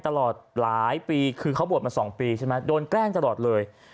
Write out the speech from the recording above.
ตลอดหลายปีคือเขาบวชมา๒ปีใช่ไหมโดนแกล้งตลอดเลย